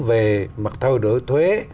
về mặt thay đổi thuế